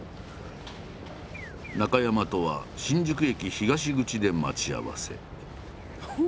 中山とは新宿駅東口で待ち合わせ。